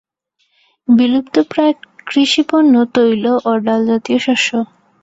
বিলুপ্তপ্রায় কৃষিপণ্য তৈল ও ডাল জাতীয় শস্য।